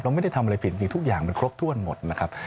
ไม่ได้ทำอะไรผิดจริงทุกอย่างมันครบถ้วนหมดนะครับ